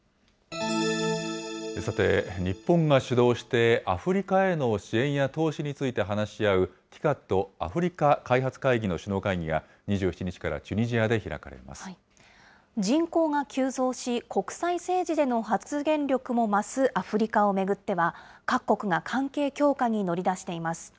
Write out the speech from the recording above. さて、日本が主導して、アフリカへの支援や投資について話し合う、ＴＩＣＡＤ・アフリカ開発会議の首脳会議が、２７日からチュニジ人口が急増し、国際政治での発言力も増すアフリカを巡っては、各国が関係強化に乗り出しています。